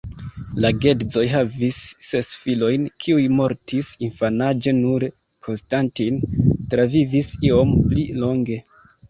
La geedzoj havis ses filojn, kiuj mortis infanaĝe nure "Konstantin" travivis iom pli longe.